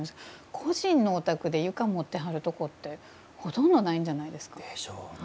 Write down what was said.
個人のお宅で床持ってはるとこってほとんどないんじゃないですか。でしょうね。